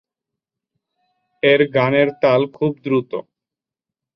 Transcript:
এর গানের তাল খুব দ্রুত।